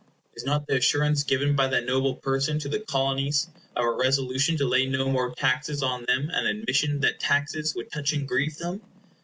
Is not the assurance given by that noble person to the Colonies of a resolution to lay no more taxes on them an admission that taxes would touch and grieve them?